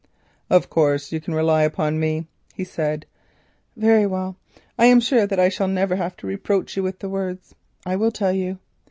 "Of course, you can rely on me," he said. "Very well. I am sure that I shall never have to reproach you with the words. I will tell you.